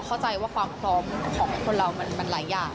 ความพร้อมของคนเรามันหลายอย่าง